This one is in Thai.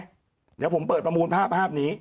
เดี๋ยวผมเปิดประมูลภาพนี้